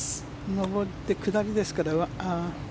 上って下りですから。